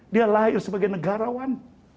dia lahir sebagai negarawan